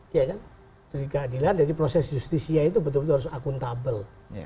jadi keadilan jadi proses justisia itu betul betul harus akuntabel